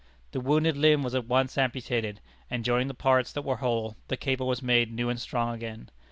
The wounded limb was at once amputated, and joining the parts that were whole, the cable was made new and strong again.